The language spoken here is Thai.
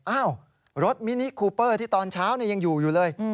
อ้าวรถมินิคูเปอร์ที่ตอนเช้ายังอยู่อยู่เลย